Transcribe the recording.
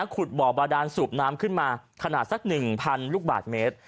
ขุดบ่อบาดานสูบน้ำขึ้นมาขนาดสัก๑๐๐ลูกบาทเมตร